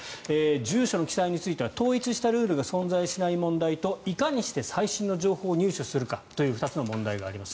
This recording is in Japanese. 住所の記載については統一したルールが存在しない問題といかにして最新の情報を入手するかという２つの問題があります。